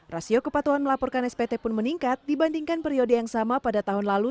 rasio kepatuhan melaporkan spt pun meningkat dibandingkan periode yang sama pada tahun lalu